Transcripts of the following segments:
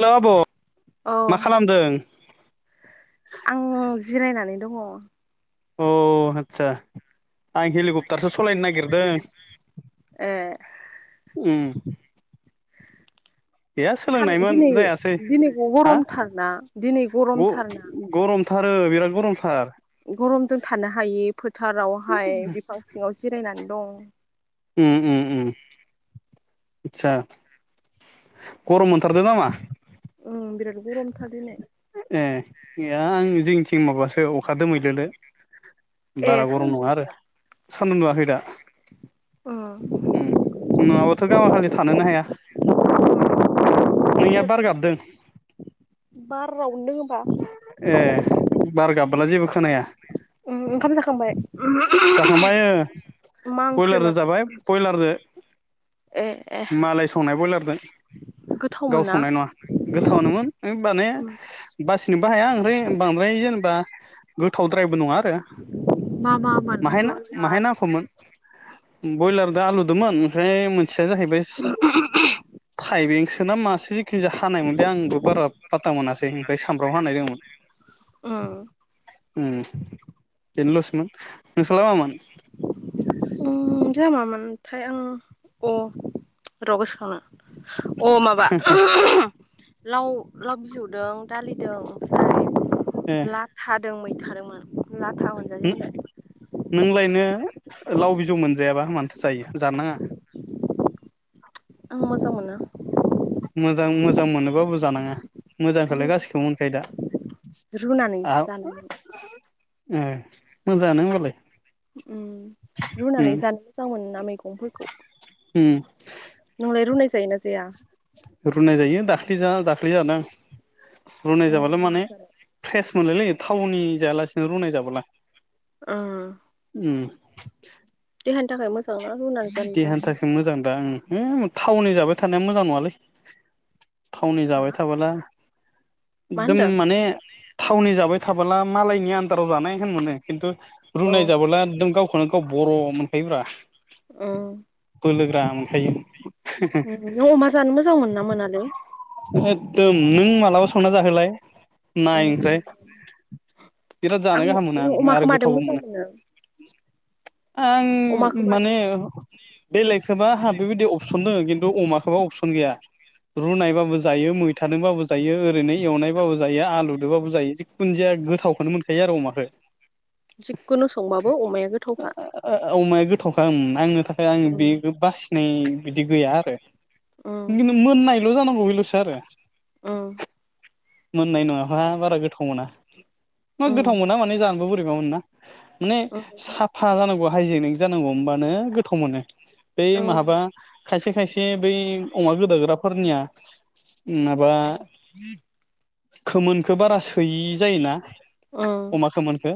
हेल' आब' औ मा खालामदों आं जिरायनानै दङ अ आतसा आं हेलिकप्टारसो सालायनो नागिरदों ए [inaudible] गैया सान सोलोंनायमोन दिनै जायासै दिनै हा गरमथारना दिनै गरमथारना ग-गरम थार आरो बिराद गरमथार गरमजों थानो हायि फोथारावहाय बिफां सिङाव जिरायनानै दं उम उम उम आदसा गरम मोनथारदों नामा उम बिराद गरमथार दिनै ए आं जोंनिथिं माबासो अखा दोमैलोलो ए बारा सानदुं गरम नङा आरो दुङाखै सान्दुं दुंआखै दा उम उम नङाबाथ' गामाखालि थानोनो हाया नोंनिया बिराद बार गाबदों बारावनो दङबा ए बार गाबला जेबो खोनाया ओंखाम जाखांबाय मा ब्रयलारजों ओंख्रिमोन जाबाय ब्रयलारजों ए ए मालाय संनाय ब्रयलारजों गोथावमोन ना गावसंनाय नङा गोथावनोमोन माने उम बासिनोबो हाया ओंफ्राय बांद्राय जेनेबा गोथावद्रायबो नङा आरो मा मामोन माहाय माहाय ब्रयलार नांखौमोन। ब्रयलार दा आलुदोंमोन ओमफ्राय मोनसेया जाहैबाय थाइबेंसो मासे जिखि ज हानाय मोनल आंबो बारा फा था मोनासै ओफ्राय सामबफ्राम हानाय दंमोन। उम ओ बेनोलसमोन नोंसोरला मामोन? ओ जोंहा मामोनथाय आं अ र गोसोखांनो अ माबा लाव लाव बिजौदों दालिदों ओमफ्राय ए लाथादों मै खारोमोन हु नोंलायनो नोङो लाव बिजौ मोनजायाबा मानोथो जायो जानो नाङा। आं मोजांमोनो। मोजां मोजां मोनोबाबो जानाङा मोजांखौलाय गासिखौबो मोनखायो दा। रुनानै जानाय ए मोजाङानो होमबालाय ओम उम रुनानै जानो मोजां मोन ना मैगंफोरखौ। उम जायो ना जाया? रुनाय जायो दाख्लि जा दाख्लि जादों। रुनाय उम जाबालाय मा माने जानो फ्रेस मोनलायलै थावनि जायालासिनो रुनाय जाबोला ओम [unintelligible] देहानि थाखाय मोजां। देहानि थाखाय मोजां दा ओम थाटाउन जाबाय थानाया मोजां नङालै। थावनि हो जाबाय मा थाबोला एकदम होनदों माने थावनि जाबाय थाबोला मालायनि आ बटाराव जानाय होन मोनो खिन्थु औ रुनाय जाबोलाम गावखौनो गाव बर' मोनखायोब्रा। ओम बोलोग्रा मोन खायो। नों अमा जानो मोजां मोन ना मोनालै एखदम नों मालाबा संना जाहोलाय औ नाय ओमफ्राय बिराद आं जानो गाहाम मोनो नों आरो अमाखौ माजों गोथावबो मोजां मोनो? आं अमाखौ मादों माने बेलेंखौबा आंहा बेबायदि अपसन दङ खिन्थु अमाखौबा अपसन गैया। रुनायबाबो जायो मैथादोंबाबो जायो ओरैनो एवनायबाबो जायो आलुजोंबाबो जायो जिखुन जाया गोथावखौनो मोनखायो आरो अमाखौ। जिखुनु संबाबो अमाया गोथावखा। अमाया गोथावखोमोन ओम आंनो थाखाय आं उम बे बासिनाय बिदि गैया आरो उम मोननायल' जानांगौ बेल'सो आरो ओम मोननाय नङाबा बारा गोथाव मोना मा गोथाव जिगाबजों मोना माने जानोबो बोरैबाब मोनो ना। माने साफा जानांगौ हाइजेनिक जानांगौ होमबानो गोथाव मोनो। बै महाबा खायसे खायसे बै अमा गोदोग्राफोरनिया [inaudible] खोमोनखौ बारा सोयि जायोना अमा खोमोनखौ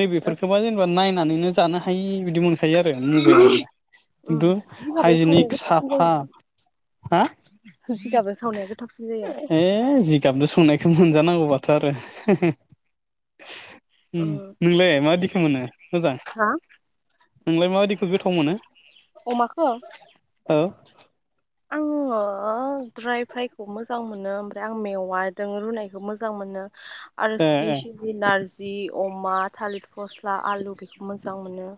नैबेफोरखौबा जेनेबा नायनानैनो जानो हायो। हियि बिदि मोनखायो आरो मुगायानोबा खिन्थु हाइजेनिक साफा हा जिगाबो सावनाया गोथावसिन जायो। ए जिगाबजों संनायखौ मोनजानांगौबाथ' आरो उम नोंलाय माबादि [unintelligible] मोजां हा नोंलाय माबादिखौ गोथाव मोनो। अमाखौ। औ [inaudible] ओ ड्राय फ्रायखौ मोजां मोनो ओमफ्राय आं मेवाजों रुनायखौ मोजां मोनो। आरो ए ए स्फेसिलि नार जि अमा थालिर फस्ला आलु बेखौ मोजां मोनो।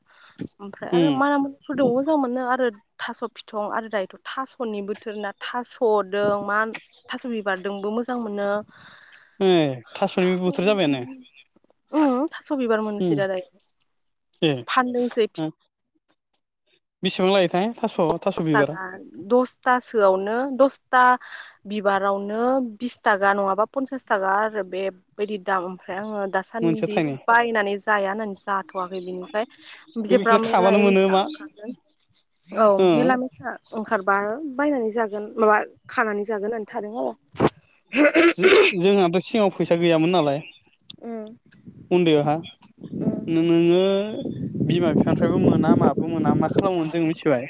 ओमफ्राय उम आरो माना मुनिफोर दङ। मोजां मोनो आरो थास' फिथं आरो दायोथ' थास'नि बोथोर ना थास'दों मा थास' बिबारजोंबो मोजां मोनो। ए थास'निबो बोथोर जाबायानो। उम थास' बिबार उम मोननोसै दा [unintelligible] ए। फानदोंसै बिस बेसेबां लायोथाय थास'। थास' [unintelligible] बिबारा थासोआवनो दसथा बिबारावनो बिस थाखा नङाबा पनसास थाखा आरो। बेबायदि दाम ओमफ्राय आङो मोनसेयाव दासान्दि थाइनै बायनानै जाया होननानैसो। जाथ'वाखै बिनिफ्राय बे जेब्रा बेखौलाय मैलाय खाबानो मोनो मायसा मा ओंखारदों औ। ओ मेला मेसा ओंखारबा बायनानै जागोन माबा खानानै जागोन होननानै थादों आरो। जो जोंहाथ' सिगाङाव फैसा गैयामोन नालाय। उन्दैआहा नोङो बिमा बिफानिफ्रायबो मोना माबो मोना मा खालामोमोन जोंङो मिथिबाय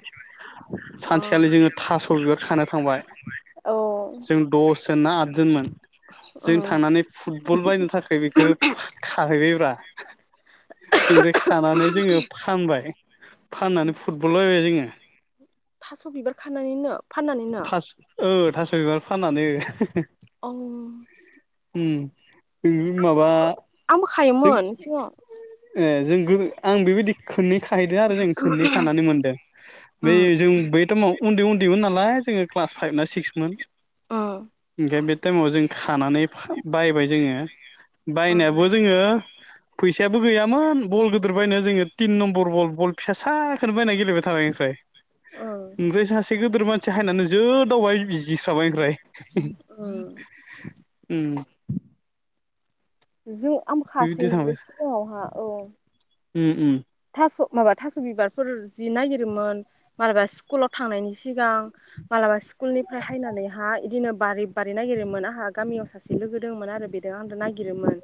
अ सानसेखालि जोङो थास' बिबार खानो थांबाय। औ जों दसजोन ना आदजोनमोन। ओ जों थांनानै फुटबल बायनो थाखाय बेखौ फान हैबायब्रा ओफ्राय खानानै जोङो फानबाय। फाननानै फुटबल बायबाय जोङो। थास' बिबार खानानैनो। फाननानैनो थास' औ थास' बिबार फाननानै। अह। ओम ओं नों माबा आंबो जों। खायोमोन सिगाङाव एह जों गोगो आं बेबायदि खोननै। खाहैदों आरो जों खोननै खानानै मोनदों बे उम जों बै थमाव उन्दै उन्दैमोन नालाय। नालाय जोङो क्लास फाइभ ना सिक्समोन उम ओंखाय बे टाइमाव जों खानानै फान बायबाय जोङो उम बायनायाबो जोङो फैसायाबो गैयामोन। बल गिदिर बायनो जोङो तिन नम्बर बल बल फिसा साखौनो बायना गेले बाय थाबाय ओमफ्राय उम ओफ्राय सासे गोदोर मानसि हायनानै जोदावबाय जि जिस्राबाय ओमफाय जों ओम। जों आमबो बिदि खासोयोमोनलै थांबाय सिगाङावहा औ। उम उम। थास' माबा थास' बिबारफोरा जि नागिरोमोन मालाबा स्कुलाव थांनायनि सिगां। ओ स्कुलनिफ्राय हायनानै हा बिदिनो बारि बारि नागिरोमोन आंहा गामियाव सासे लोगो दंमोन आरो बेदों आं नागिरोमोन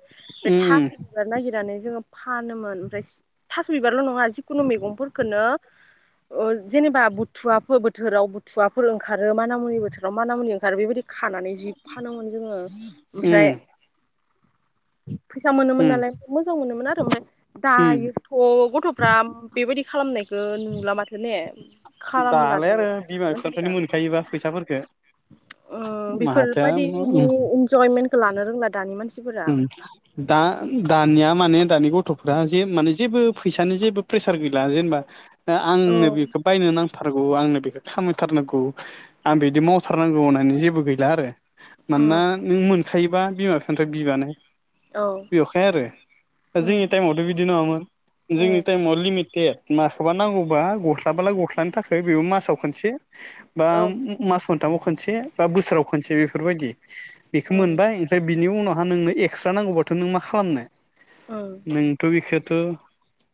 बे उम थास' बिबार नागिरनानै जोङो फानोमोन ओमफ्राय। थास' बिबारल' नङा जिखुनु मैगंफोरखौनो ओ जेनेबा बुथुवाफो बोथोराव बुथुवाफोर ओंखारो माना मुनि बोथोराव माना मुनि ओंखारो बेबायदि खानानै जि फानोमोन जोङो ओमफ्राय उम फैसा मोनोमोन उम नालाय मोजां मोनोमोन आरो ओमफ्राय दायो उम थ' गथ'फ्रा बेबायदि खालामनायखौ नुला माथो ने? खालामला दालाय दायो आरो बिमा मानसिफोरा। बिफानिफ्रायनो मोनखायोबा फैसाफोरखौ ओ माथो बेफोरबायदिनि इन्जयमेन्टखौ लानो रोंला दानि मानसिफोरा ओम दा दानिया माने दानि गथ' गथ'फ्रा जे माने जेबो फैसानि जेबो प्रेसार गैला जेनेबा आ आंनो उम बेखौ बायनो नांथारगौ आंनो बे खामायथारनांगौ आं बिदि मावथारनांगौ होननानै जेबो गैला आरो। मानोना नों मोनखायोबा बिमा बिफानिफ्राय बिबानो औ [unintelligible] आरो उम जोंनि टाइमावथ' बिदि नङामोन उम जोंनि टाइमाव लिमिटेड। माखोबा नांगौबा गस्लाबालाय गस्लानि थाखाय बेबो मासाव खनसे बा औ मास साथामाव खनसे बा बोसोराव खनसे बेफोरबायदि बेखौ उम मोनबाय ओमफ्राय बिनि उनाव आ नोंनो एक्सट्रा नांगौबाथ' नों मा खालामनो उम नोंथ' बेखौ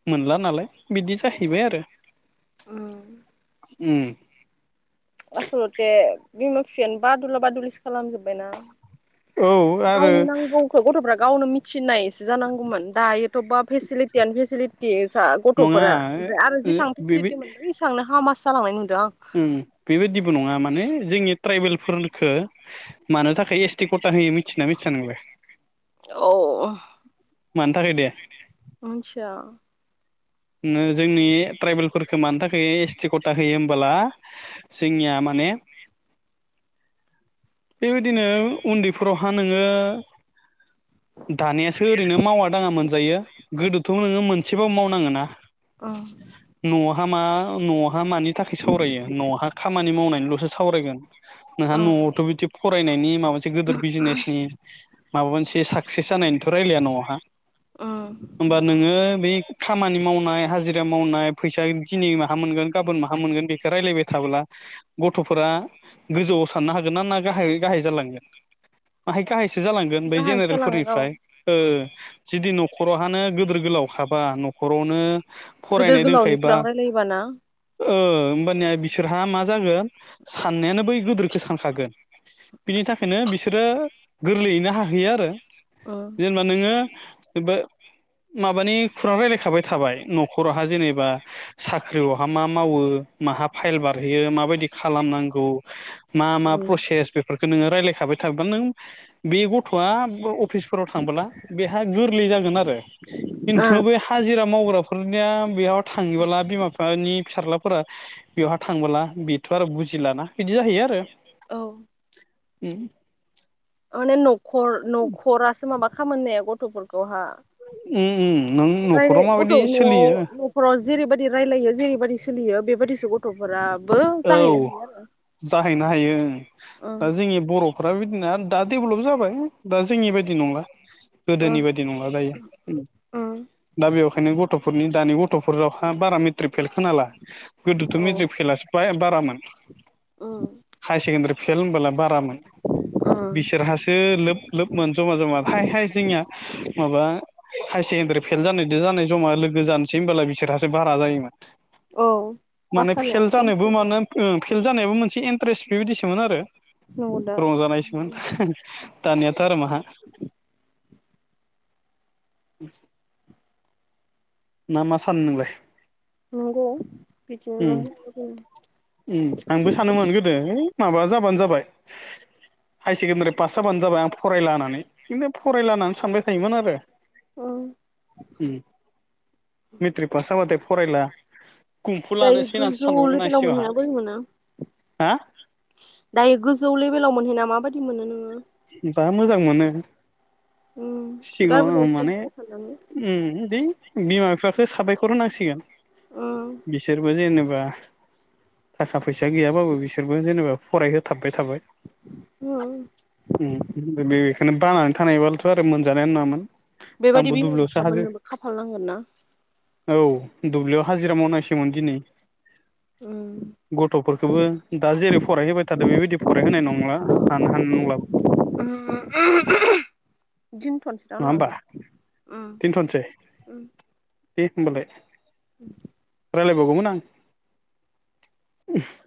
मोनला नालाय बिदि जाहैबाय आरो उम उम आसल'थे बिमा बिफायानो बादुला बादुलिसो खालामजोब्बायना। औ आरो गावनि नांगौखौ गथ'फ्रा गावनो मिथिनायसो जानांगौ मोन दायोथ' बा फेसिलिटियानो फेसिलिटिसा नङा गथ'फोरा ओमफ्राय आरो ओ जेसबां बेबि फेसिलिटि मोनदों एसांनो। हामासो जालांनाय नुदो आं। ओं बेबायदिबो नङा माने जोंनि ट्राइबेलफोरखो मानो थाखाय एस टि कथा होयो मिथिना मिथि [unintelligible] औ मानि थाखाय दे। [unintelligible] जोंनि ट्राइबेलखो मानो थाखाय एस टि खथा होयो होमबोला जोंनिया मा माने बेबायदिनो उन्दैफोरावहा नोङो दानियासो ओरैनो मावा दाङा मोनजायो गोदोथ' नोङो मोनसेबाबो मावनाङोना। अ'। न'आवहा मा न'आवहा मानि थाखाय सावरायो न'आवहा खामानि मावनायनिल'सो सावरायगोन नोंहा ओं न'आवथ' बिदि फरायनायनि माबा मोनसे गिदिर बिजनेसनि माबा मोनसे साक्सेस ओं ज [unintelligible] हाजिरा मावनाय फैसा दिनै माहा मोनगोन गाबोन माहा मोनगोन बेखौ रायलायबाय थाब्ला गथ'फोरा साननो हागोन ना गाहायै गाहाय जालांगोन [unintelligible] जालांगोन बै गाहायसो जालांगोन औ जेनेरेलफोरनिफ्राय जुदि न'खरावहानो गिदोर गोलाव खाबा न'खरावनो गोदोर फरायनाय दोनखायोबा गोलावनिफ्रां रायलायोबाना होमबानिया बिसोरहा मा जागोन साननायानो बै गोदोरखो सानखागोन बिनि थाखायनो बिसोरो गोरलैयैनो हाहैयो आरो ओम जेनेबा नोङो बेबो माबानि खुरां रायलायखाबाय थाबाय न'खरावहा जेनेबा साख्रियावहा मा मावो माहा फाइल बारहैयो माबायदि खालामो ओम [unintelligible] अफिसफोराव थांबोला बेहा गोरलै जागोन आरो खिन्थु ओ बे हाजिरा मावग्रा बेयाव थाङोबोला बिमा बिफा नि फिसाजलाफोरा बेवहा थांबोला बेथ' आरो बुजिलाना बिदि जाहैयो आरो औ [unintelligible] खामानिनाया गथ'फोरखौहा उ उ राय गथ' न'आव न'फोराव जेरैबायदि रायलायो जेरैबायदि सोलियो बेबायदिसो गथ' गथ'फोराबो जाहैनो औ हायो आरो जाहैनो हायो ओं दा जोंनि बर'फोराबो बिदिना दा डेभेलप जाबाय दा जोंनि बायदि नंला ओं गोदोनि बायदि नंला दायो औ दा बेवाय ओंखायनो गथ'फोरनि दानि गथ'फोरावहा बारा मेट्रिक फेल खोनाला गोदोथ' मेट्रिक फेलासो हाय बारामोन हायार सेकेडारि फेल होनबोला बारामोन बिसोरहासो लोब लोबमोन जमा जमा हाय हाय जोंनिया माबा हायार सेकेण्डारि फेल जानादो जानाय जमा लोगो जानोसै होनोमबोला बिसोरहासो बारा जायोमोन औ फास जानायासो बुङानो ओम फेल जानायाबो मोनसे इन्टारेस्ट बेबायदिसोमोन आरो नंगौ दा रंजानायसोमोन दानियाथ' आरो माहा [inaudible] ना मा सानो नोंलाय नंगौ बिदिनो नों बुंनाय ओम आंबो सानोमोन गोदो है माबा जाबानो जाबाय हायार सेकेण्डारि पास जाबानो जाबाय आं फरायला होननानै खिन्थु फरायला होननानै सानबाय थायोमोन आरो ओम मेट्रिक पास जाबाथाय फरायला खुम्फु लानोसै मानोसै सानबावोमोन आं सिगांहा बैमोना हा दायो गोजौ लेभेलाव मोनहैना माबायदि मोनो नोङो दा मोजां मोनो सिगां आङो गारबोनाय माने समफोरखौ साननानै ओम दि बिमा बिफाखौ साबायखर होनांसिगोन बिसोरबो जेनेबा थाखा फैसा गैयाबाबो बिसोरबो जेनेबा फरायहोथाबबाय थाबाय ओम बेखोनो बानानै थानायबालथ' आरो मोनजानायानो नङामोन बेबायदि आंबो बिमा दुब्लियावसो बिफा हाजो मोननोबो खाफाल नांगोन ना औ दुब्लियाव हाजिरा मावनांसोमोन दिनै ओम गथ'फोरखौबो दा जेरै फरायहोबाय थादों बेबायदि फरायहोनाय नंला हान हानाय नंला [unintelligible] [inaudible] दिन्थ'नसै दा नङा न' होमबा ओम दोनथ'नोसै ओम दे होमबालाय ओम रायलायबावगौमोन आं